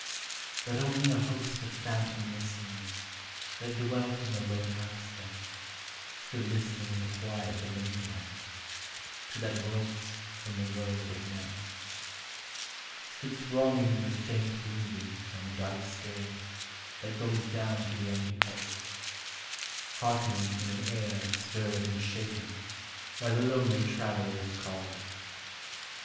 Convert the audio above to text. But only a host of phantom listeners That dwelt in the lone house then Stood listening in the quiet of the moonlight To that voice from the world of men: Stood thronging the faint moonbeams on the dark stair That goes down to the empty hall, Hearkening in an air stirred and shaken By the lonely Traveler's call.